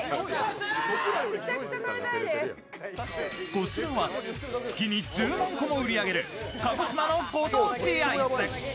こちらは月に１０万個も売り上げる鹿児島のご当地アイス。